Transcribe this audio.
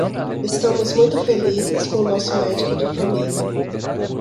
Estamos muito felizes com o nosso médico de família.